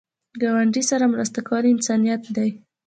ګاونډي سره مرسته کول انسانیت دی